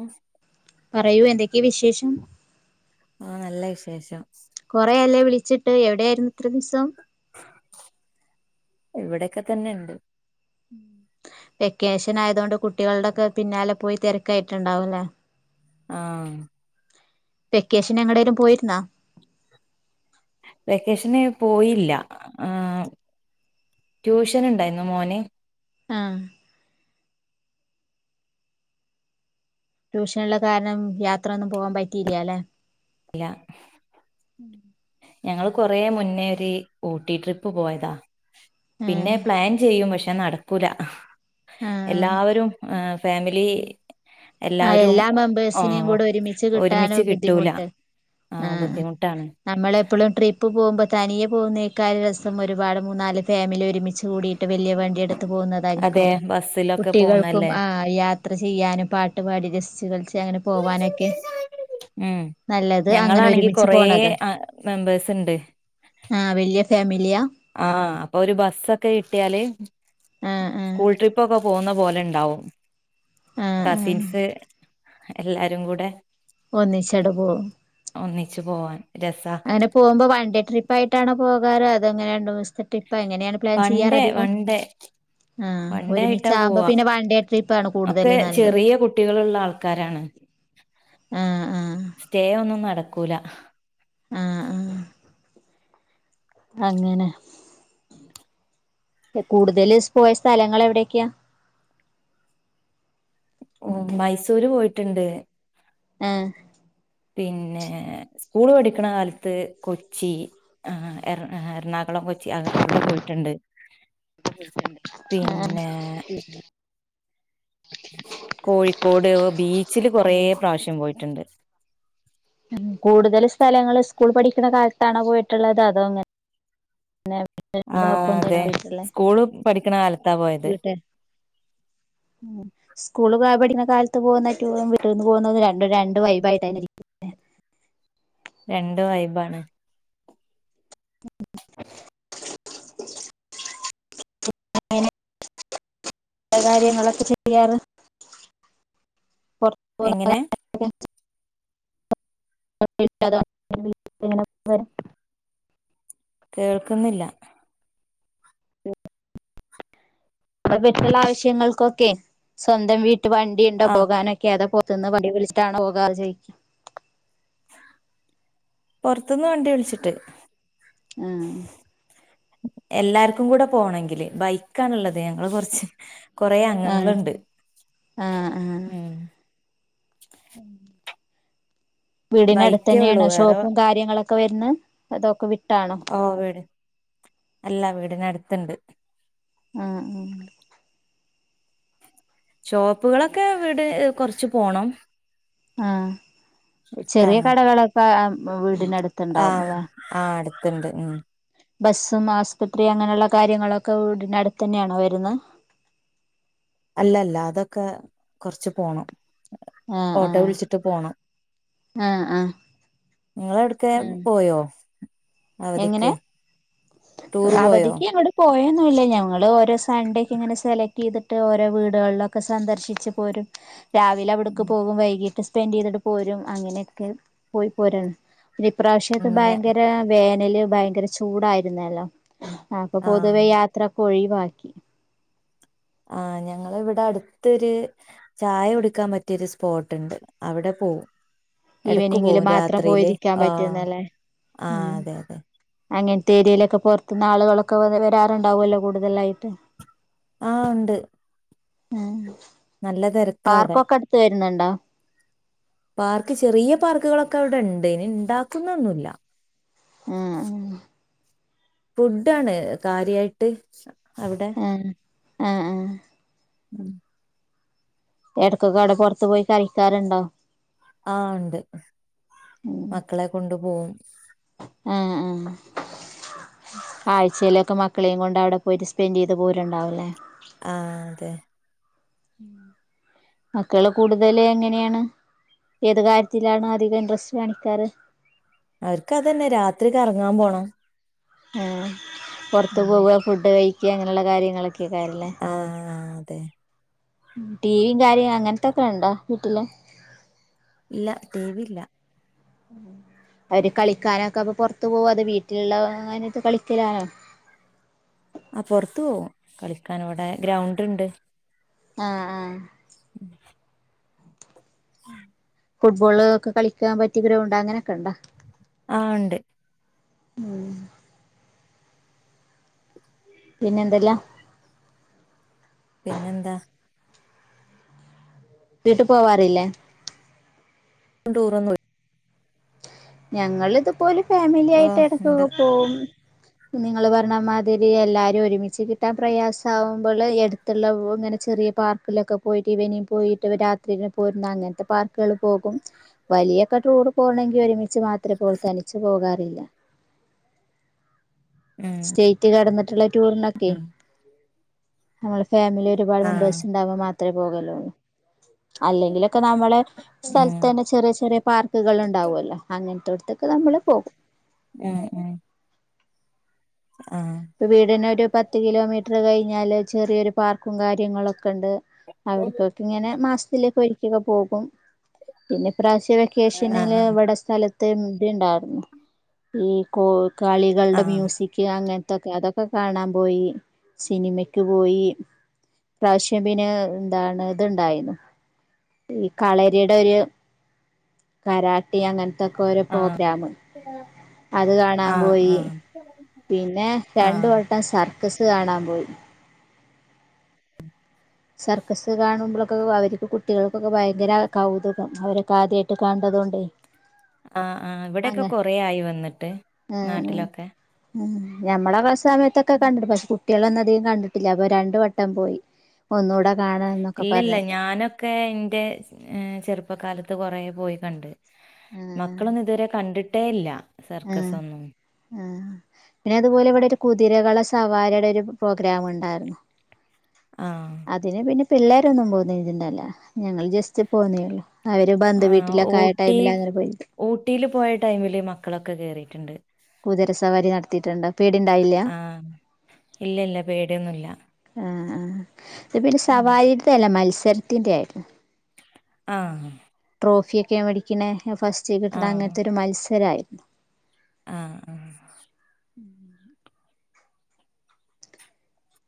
ഉം പറയൂ എന്തൊക്കെയ വിശേഷം ആ നല്ല വിശേഷം കൊറെയല്ലേ വിളിച്ചിട്ട് എവിടൊയിരുന്നു ഇത്ര ദിവസം ഇവിടെൊക്കെ തന്നെണ്ട് വെക്കേഷൻ ആയത കൊൊണ്ട് കുട്ടികളുടെൊക്കെ പിന്നാലെ പോയി തിരക്കായിട്ടുണ്ടാവലെ ആഹ വെക്കേഷൻ എവിടെലും പോയിരുന്നാ വെക്കേഷന് പോയില്ല ആ ട്യൂഷൻ ഇണ്ടെന്നു മോന്. ആ. ട്യൂഷനുള്ള കാരണം യാത്രൊന്നും പോവാൻ പറ്റിയിലാലേ. ഇല്ല. ഉം. ഞങ്ങള് കൊറെ മുന്നേ ഒരു ഊട്ടി ട്രിപ്പ് പോയതാ പിന്നെ ആഹ് പ്ലാൻ ചെയ്യും പക്ഷെ. നടക്കൂല ആഹ് എല്ലാവരും ഫാമിലി. ആഹ് എല്ലവരും എല്ലാ ആ മെമ്പേഴ്സിനെയും കൂടെ ഒരുമിച്ച് ഒരുമിച്ച് കിട്ടാനും കിട്ടൂല. ബുദ്ധിമുട്ട് ആഹ ബുദ്ധിമുട്ടാണ്. ഇപ്പോളും ട്രിപ്പ് പോകുമ്പോ തനിയെ പോകുന്നേക്കും രസം ഒരുപാട് മൂന്നാല് ഫാമിലി ഒരുമിച്ച് കൂടി. ട്ട് വലിയ വണ്ടിഎടുത്ത് അതെ പോകുന്നതായിരിക്കും ബസ്സിലൊക്കെ കുട്ടികൾക്കും പോന്നല്ലേ ആ യാത്ര ചെയ്യാനും. ട്ടപാടി ജസ് കളിച്ച് അങ്ങനെ പോവാനൊക്കെ. ഉം നല്ലത് അങ്ങനെ ഞങ്ങളാണെങ്കി ഒരുമിച്ച് കൊറേ മെമ്പേഴസ്ണ്ട്. ആഹ വല്യഫാമിലി. ആഹ അപ്പൊ ഒരു ബസ്സൊക്കെ കിട്ട്യാല് ആ ആ സ്കൂൾ ട്രിപ്പൊക്കെ. പോകുന്ന പോലെ ഇണ്ടാവും ആ ആ കസിൻസ് എല്ലാരും കൂടെ. ഒന്നിചണ്ട് പോവും. ഒന്നിച്ച് പോവാൻ. രസാ അങ്ങനെ പോവുമ്പോ വൺണ്ടേ ട്രിപ്പായിട്ടാണോ പോകാറ് അതോ ഇങ്ങനെ രണ്ടുമൂസം. ട്രിപ്പ എങ്ങനെയാണ് പ്ലാൻ ചെയ്യാറ് അധികും. വണ്ടേ ആയിട്ടാ പോവാ ഡേ ട്രിപ്പ് ആണ് കൂടുതൽ ഒക്കെ നല്ലത് ചെറിയ കുട്ടികളുള്ള ആൾക്കാരാണ്. ആ ആ സ്റ്റേ ഒന്നും നടക്കൂല. ആ ആ അങ്ങനെ. കൂടുതല് സ്പോയ സ്ഥലങ്ങൾ എവിടെയൊക്യാ. ഓ മൈസൂര് പോയിട്ടുണ്ട്. ഏഹ്. പിന്നെ സ്കൂള് പഠിക്കണകാലത്ത് കൊച്ചി എ എറണാകുളം പോയി. അവിടെ പോയിട്ടുണ്ട്. പിന്നെ ഏഹ്. കോഴിക്കോട് ബീച്ചില് കൂ കൊറെപ്രാശ്യം പോയിട്ടുണ്ട്. കൂടുതൽ സ്ഥലങ്ങള് സ്കൂളിൽ പഠിക്കണകാലത്താണോ പോയിട്ടുള്ളത് അതോ ഇങ്ങനെ. ആഹ് ഒപ്പ അതെ എന്തണോ വീട്ടുള്ളെ സ്കൂള് പഠിക്കണ കാലത്താ പോയത് വീട്ടേ. ഉം. സ്ക്കൂൾ പഠികുന്നകാലത്ത് പോകുന്ന ട്ടുറും വീട്ടിൽന്ന് പോകുന്ന രണ്ടും രണ്ടും വൈബായിട്ടായിരിക്കും. രണ്ട്‌ വൈബാണ്. [unintelligible] [unintelligible] കാര്യങ്ങളൊക്കെ ചെയ്യാറ്. പുറത്ത്പൊ എങ്ങനെ [unintelligible] [unintelligible] കേൾക്കുന്നില്ല. അത് പറ്റുള്ള ആവശ്യങ്ങൾക്കൊക്കെ സ്വന്തം വീട്ട വണ്ടിയുണ്ടോ ആ പോകാനൊക്കെ അതൊ. ന്നിട്ട് വണ്ടിവിളിച്ചിട്ടാണോ പോകാ ചോയിക്ക. പൊറത്തന്ന് വണ്ടി വിളിച്ചിട്ട്. ആഹ. എല്ലാർക്കും കൂടെ പോണെങ്കില് ബൈക്കണുള്ളത് ഞങ്ങള് കൊറച്ച്. കൊറെ ആഹ് അംഗങ്ങളുണ്ട് ആഹ് ആഹ് ആഹ് ഉം. [unintelligible] ബൈക്കേ ഉള്ളൂ വീടിനടുത്തന്നെയാണ് വേറെ ഷോപ്പും കാര്യങ്ങളൊക്കെ വരുന്നെ അതൊക്കെ വിട്ട. ഓ [unintelligible] വീട് അല്ല വീടനടുത്തണ്ട്. ഉം -ഉം ഷോപ്പുകളൊക്കെ ഇവിടെ കൊറച്ച് പോണം ആ ചെറിയ കടകളൊക്കെ ആ വ് ആഹ് ആ അടുത്തുണ്ട് ഉം ബസ്സും ആസ്പത്രിയും അങ്ങനെയുള്ള കാര്യങ്ങളൊക്കെ വീടിനടുത്ത് തന്നെയാണോ വരുന്ന [inaudible] അല്ലല്ല അതൊക്കെ കൊറച്ച് പോണം ആഹ് ഓട്ടോ ആഹ് വിളിച്ചിട്ട് പോണം ആഹ് -ആഹ് നിങ്ങള് എവിടക്കേ ആഹ് പോയോ എങ്ങനെ അവധിക്ക് ടൂറ് പോയോ അവധിക്ക് അങ്ങോട് പോയ ഒന്നുല്ല ഞങ്ങള് ഓരോ സൺഡേക്ക് ഇങ്ങനെ സെലക്ട് ചെയ്തിട്ട് ഓരോ വീടുകളിലൊക്കെ സന്ദർശിച്ച് പോരും രാവിലെ അവിടക്ക് പോകും വൈകീട്ട് സ്പെൻഡ് ചെയ്തിട്ട് പോരും അങ്ങനെയൊക്കെ പോയി പോരാണ് ഈ പ്രാവശ്യത്തെ ഉം ഞ ഭയങ്കര വേനല് ഭയങ്കര ചൂടായിരുന്നല്ലോ അപ്പൊ പൊതുവെ ആ യാത്രൊക്കെ ഒഴിവാക്കി ആ ഞങ്ങള് ഇവിടെ അടുത്തൊരു ചായ കുടുക്കാൻ പറ്റിയൊരു സ്പോട്ടുണ്ട് അവിടെ പ്പോവും ഈവനിങ്ങില് മാത്രം പോയിരിക്കാൻ പറ്റുന്നല്ലേ ആ ഉം അതെ അതെ അങ്ങന ത്തേരിയയിലൊക്കെ പൊറത്തുന്ന് ആളുകളൊക്കെ പൊതുവെ വരാറുണ്ടാവുവല്ലോ കൂടുതലായിട്ട് ആ ഉണ്ട് ആഹ് നല്ല തെരക്കാ അവിടെ വരണണ്ടോ പാർക്ക് ചെറിയ പാർക്കുകളൊക്കെ അവിടെ ഉണ്ട് ഇനി ഇണ്ടാക്കുന്നൊന്നു ഇല്ല ഉം ഫുഡ് ആണ് കാര്യായിട്ട് അവിടെ ഉം ആഹ് -ആഹ് ഉം ഇടക്കൊക്കെ അടെ പൊറത്തു പോയി കഴിക്കാറുണ്ടോ ആഹ് ഉണ്ട് ഉം മക്കളെ കൊണ്ടു പോവും ആ -ആ ആഴ്ചയിലൊക്കെ മക് ക്കളെയും കൊണ്ട് അവിടെ പോയിട്ട് സ്പെൻ് ചെയ്തു പോരുണ്ടാവല്ലേ ആ അതെ [unintelligible] മക്കള് കൂടുതല് എങ്ങനെയാണ് ഏത് കാര്യത്തിലാണ് അധികം ഇൻട്രസ്റ്റ് കാണിക്കാറ് അവർക്ക് അതന്നെ രാത്രി കറങ്ങാൻ പോണം ആ പൊറത്ത് ഉം. പോവുവാ ഫുഡ് കഴിക്ക അങ്ങനെയുള്ള കാര്യങ്ങളൊക്കെ കാര്യല്ലേ ദേ ഉം ടിവിയും കാര്യം അങ്ങനത്തൊക്കെ ഒണ്ടോ വീട്ടില് ഇല്ല ടി വിയില്ല ഉം അവര് കളിക്കാനൊക്കെ അപ്പൊ പൊറത്തു പോവോ അത് വീട്ടിലുള്ള അങ്ങനത്തെ കളിക്കലായൊ ആ പൊറത്തു പോകും കളിക്കൻ ഇവിടെ ഗ്രൗണ്ട് ഉണ്ട് ആഹ് ആഹ് [inaudible] ഫുട്ബോള് ഒക്കെ കളിക്കാൻ പറ്റിയ ഗ്രൗണ്ട് അങ്ങനെ ഒക്കെ ഒണ്ടാ ആ ഉണ്ട് ഉം പിന്നെ എന്തല്ലാ പിന്നെന്താ വീട്ടു പോവാറില്ലേ ടൂറൊന്നു ഞങ്ങിതുപോലെ ഫാമിലി ഓ ആയിട്ട് ഉണ്ട് എടക്കക്കെ പോവും കുഞ്ഞുങ്ങള് പറഞ്ഞ മാതിരി എല്ലാരും ഒരുമിച്ച് കിട്ടാൻ പ്രയാസാകുമ്പള് എടുത്തുള്ള വ് ഇങ്ങനെ ചെറിയ പാർക്കിലൊക്കെ പോയിട്ട് ഈവനിങ്ങ് പോയിട്ട് രാത്രി പോരുന്ന അങ്ങനത്തെ പാർക്കുകൾ പോകും വലിയ ഇപ്പ ടൂറ് പോണെങ്കിൽ ഒരുമിച്ച് ച്ച് മാത്രേ പോവു തനിച്ച് പോകാറില്ല ഉം സ്റ്റേറ്റ് കടന്ന് റ്റുള്ള ടൂറിനൊക്കെ ഉം നമ്മളെ ഫാമിലി ഒരുപാട് ആഹ് മെമ്പേഴ്സ് ഉണ്ടാവുമ്പോ മാത്രമേ പോകലൊള്ളു അല്ലങ്കിലൊക്കെ നമ്മള് സ്ഥലത്ത് ഉം തന്നെ ചെറിയ ചെറിയ പാർക്കുകൾ ഉണ്ടാവുമല്ലോ അങ്ങനത്തെട്ത്തൊക്കെ നമ്മള് പോകും ഉം ഉം ആഹ് ഇപ്പ വീടിനൊരു പത്ത് കിലോമീറ്റർ കഴിഞ്ഞാല് ചെറിയൊരു പാർക്കും കാര്യങ്ങളൊക്കെ ക്കണ്ട് അവിത്തോൽക്ക് ഇങ്ങനെ മാസത്തിലൊരിക്കെക്കേ പോകും പിന്നെ ഇപ്രാവശ്യം ഈ വെക്കേഷനില് ആഹ് ഇവടെ സ്ഥലത്ത് ഇണ്ട്ണ്ടായിരുന്നു ഈ കോ ആഹ് കളികൾടെ ആഹ് മ്യൂസിക് അങ്ങനെ ത്തൊക്കെ അതൊക്കെ കാണാൻ പോയി സിനിമക്ക് പോയി പ്രാവശ്യം പിന്നെ ഇന്താണ് ഇത്ണ്ടായിരുന്നു ഈ കളരിയുടെ ഒരു കരാട്ടി അങ്ങ ത്തക്കെ ഓരോ പ്രോഗ്രമ് അത് കാണാൻ ആഹ് പോയി ആഹ് പിന്നെ രണ്ട് ആഹ് വട്ടം സർക്കസ് കാണാൻ പോയി സർക്കസ് കാണുമ്പളെക്കെ അവർക്ക് കുട്ടികൾക്കൊക്കെ ഭയങ്കര കൗതുകം അവരൊക്കെ ആദ്യായിട്ട് കാണ് അതോണ്ടേ ആഹ ആഹ് ഇവടെക്കെ കൊറെ ആയി വന്നിട്ട് നാട്ടിലൊക്കെ ഉം ഞമ്മളെക്കെ സമയത്തൊക്കെ കണ്ടിട്ടു പക്ഷെ കുട്ടികളൊന്നും അധികം കണ്ടിട്ടില്ല അപ്പോ രണ്ട് വട്ടം പോയി ഒന്നുകൂടെ കാണാം എന്നൊക്കെ ഇല്ലല്ല പറഞ്ഞിട്ട് ഞാനൊക്കെ ഇന്റെ ഏ ചെറുപ്പകാലത്ത് കൊറെ പോയി കണ്ട് മക്കളൊന്നും ഇതുവരെ കണ്ടിട്ടേ ഇല്ല ആ സർക്കസൊന്നും ആ പിന്നെ അതുപോലെ ഇവടെ ഒരു കുതിരകളെ സവാരിയുടെ ഒരു പ്രോഗ്രാം ഉണ്ടായിരുന്നു ആഹ അതിന് പിന്നെ പിള്ളേരൊന്നും പോന്നിന്നിട്ടില്ല ഞങ്ങൾ ജസ്റ്റ് പോന്നേള്ളു അവര് ബന്ധു ആഹ് വീട്ടിലൊക്കെ ആയ ഊട്ടി ടൈമില് അങ്ങനെ പോയി ഊട്ടില് പോയ ടൈമില് മക്കളൊക്കെ കേറിയിട്ടുണ്ട് കുതിരസവാരി നടത്തിയിട്ടുണ്ട് പേടിണ്ടായില്ല ആഹ് ഇല്ലല്ല പേടിയൊന്നുല്ല ആ ആഹ ഇത് പിന്നെ ഉം സവാരിതല്ല മത്സരത്തിന്റെ ആയിരുന്നു ആഹ ട്രോഫിയൊക്കെ മേടിക്ക്ണേ ഫസ്റ്റ് കിട്ടണ അങ്ങനത്തെ മത്സരായിരുന്നു ആഹ ആഹ ഉം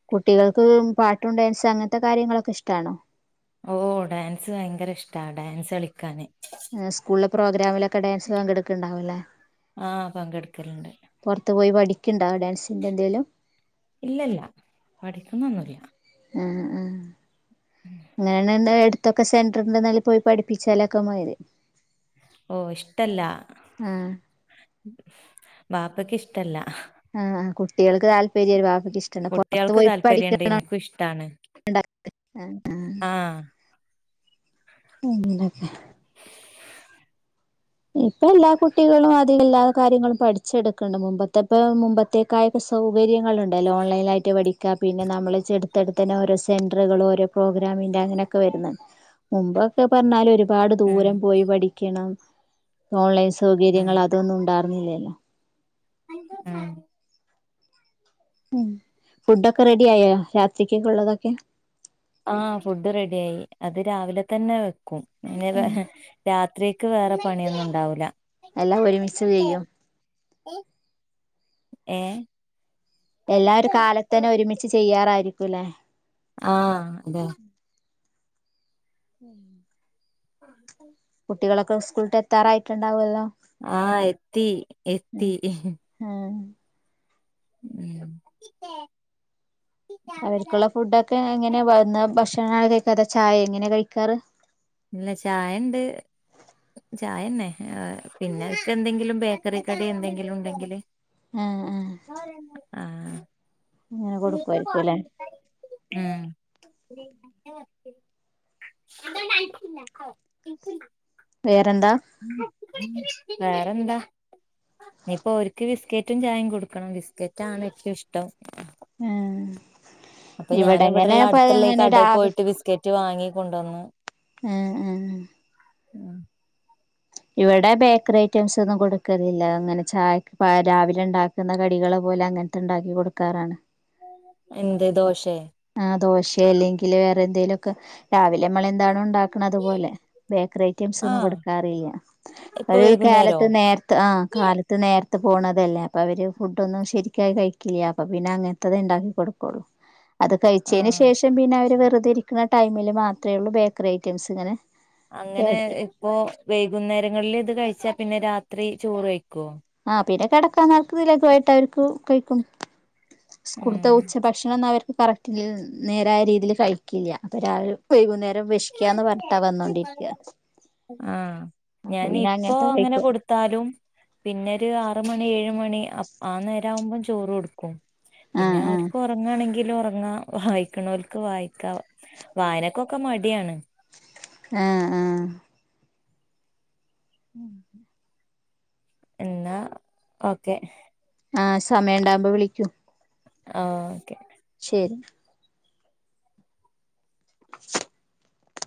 കുട്ടികൾക്ക് പാട്ടും ഡാൻസ് അങ്ങനത്തെ കാര്യങ്ങളൊക്കെ ഇഷ്ടാണ് ഓ ഡാൻസ് ഭയങ്കര ഇഷ്ടാ ഡാൻസ് കളിക്കാന് സ്കൂളിലെ പ്രോഗ്രാമിലൊക്കെ ഡാൻസിന് പങ്കെടുക്ക്ണ്ടാവുല്ലേ പങ്കെടുക്കല്ണ്ട് പൊർത്ത് പോയി പഠിക്ക്ണ്ടോ ഡാൻസിന്റെ എന്തേലും ഇല്ലല്ല പഠിക്കുന്നൊന്നുല്ല ആ ആ അങ്ങനെന്താ ഇതൊക്കെ സെന്ററിണ്ടൽ പോയി പഠിപ്പിച്ചാലൊക്കെ മതി ഓ ഇഷ്ടല്ല ആഹ് ബാപ്പക്ക് ഇഷ്ടല്ല ആഹ കുട്ട്യേള് താല്പര്യ ആ കുട്ടിക്ക് ഇഷ്ടണ്ട് പൊറത്തു കുട്ടികൾക്ക് പോയി താല്പര്യണ്ട് പഠിക്കണ എനിക്കും ഇഷ്ടാണ് ആ ആ ആഹ് [unintelligible] ഇപ്പൊ എല്ലാ കുട്ടികളും അധിക എല്ലാ കാര്യങ്ങളും പഠിച്ചെടുക്കണ്ട് മുമ്പത്തെപ്പെഴും മുമ്പത്തേക്കായ സൗകര്യങ്ങളുണ്ടല്ലോ ഓൺലൈനായിട്ട് പഠിക്കാ പിന്നെ നമ്മൾ ചെടുത്തടുത്തന്നെ ഓരോ സെൻറുകളും ഓരോ പ്രോഗ്രാം [unintelligible] ങ്ങനെക്കെ വരുന്ന് മുമ്പൊക്കെ പറഞ്ഞാല് ഒരുപാട് ഉം ദൂരം പോയി പഠിക്കണം ഓൺലൈൻ ഉം സൗകര്യങ്ങലാതൊന്നും ഉണ്ടാർന്നില്ലല്ലോ [unintelligible] ഉം ഫുഡൊക്കെ റെഡിയായോ രാത്രിക്കൊക്കെള്ളതൊക്കെ ആഹ ഫുഡ് റെഡിയായി അത് രാവിലെതന്നെ വെക്കും ഉം [unintelligible] രാത്രി ക്ക് വേറെ പണിയന്നും ഉണ്ടാവൂല എല്ലാം ഒരുമിച്ചുച്ചയ്യും ഏ എല്ലാരു കാലത്തന്നെ ഒരുമിച്ച് ചെയ്യാറായിരിക്കുല്ലേ ആഹ തെ [unintelligible] ആ തണ്ടാവുല്ലോ ആ എത്തി എത്തി ഉം [inaudible] അവർക്കുള്ള ഫുഡൊക്കെ എങ്ങനെ വന്ന ഭക്ഷണകഴിക്ക അതോ ചായ ങ്ങനെ കഴിക്കാറ് ഇല്ല ചായണ്ട് ചായന്നെ [unintelligible] പിന്നെന്തെങ്കിലും ബേക്കറികടി എന്തെങ്കിലും ഉണ്ടെങ്കില് ആഹ ആ [inaudible] ആഹ [unintelligible] [inaudible] വേറെന്താ വേറെന്താ ഇനിയിപ്പോൊ ഓരുക്ക് ബിസ്ക്കറ്റു ചായിം കൊടുക്കണം ബിസ്കറ്റാണ് ഏറ്റവുഷ്ടം ആഹ അപ്പൊ ഞാനിവിടെള്ള അടുത്ത് ള്ളേ കടേ രാവി പോയിട്ട് ബിസ്കറ്റ് വാങ്ങി കൊണ്ടന്നു ഉം ഉം ഉം ഇവിടെ ബേക്കറി ഐറ്റംസൊന്നും കൊടുക്കലില്ല അങ്ങനെ ചായക്ക് [unintelligible] ‌ രാവിലെ ഉണ്ടാക്കുന്ന കടികള് ഓല്ങ്ങനത്തെണ്ടാക്കി കൊടുക്കാറാണ് എന്ത് ദോശേ ആഹ് ദോശെ അല്ലെങ്കില് വേറെ എന്തേലും ഒക്കെ രാവിലെമളന്താണോ ഉണ്ടാ അതുപോലെ ബേക്കറി ഐറ്റംസൊന്നും ആഹ് കൊടുക്കാറില്ല ഇപ്പൊ ഒരു വൈകുന്നേരോ കാലേത്ത് നേർത് ആഹ കാലത്ത് നേർ ത്തു പോണതല്ലേ അപ്പൊ അവര് ഫുഡന്നും ശെരിക്കായി കഴിക്കില്ല അപ്പൊ പിന്നെ അങ്ങനത്തത് ഇണ്ടാക്കി കൊടുക്കൊളൂ അത് ആഹ് കഴിച്ചന്ശേഷം പിന്നെ അവര് വെറുതെ ഇരിക്കുനടൈമില് മാത്രേള്ളൂ ബേക്കറി ഐറ്റംസ് ഇങ്ങനെ അങ്ങനെ ഇപ്പൊ വൈകുന്നേരങ്ങളിൽ ഇത് കഴിച്ചാ പിന്നെ രാത്രി ചോറ്വയ്ക്കോ ആഹ പിന്നെ കിടക്കാനേർത്ത് ലഖുവായിട്ട് അവർക്ക് കഴിക്കും സ്കൂളത്തെ ഉം ഉച്ച ഭക്ഷണന്നവര് കറക്ട്ടില് നേരായ രീതില് കഴിക്കില്ല അപ്പൊ രാവിലേം വൈകുന്നേരത്തും വിക്ഷക്കാന്ന് പറഞ്ട്ടാ വന്നോണ്ടിരിക്ക ആഹ ഞാനിപ്പോ അങ്ങനെ കഴിക്കും കൊടുത്താലും പിന്നൊരു ആറ് മണി ഏഴ് ആ മണി അപ്പ ആ നേരവുമ്പോ ചോറു കൊടുക്കും പിന്നെ ആഹ് ആഹ് ഓര്കൊറങ്ങാണെകി ഒറാങ്ണോല്ക്ക് ഉറങ്ങാ വായിക്ക്‌നോല്ക്ക് വായിക്ക വായനക്കൊക്കെ മടിയാണ് ആആ ഉം എന്നാ ഓക്കെ ആ സമയണ്ടാവ്മ്പോ വിളിക്കൂ ആ ഓക്കെ ശരി